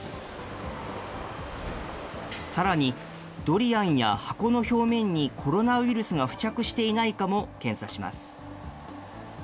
さらに、ドリアンや箱の表面にコロナウイルスが付着していないかも検査します。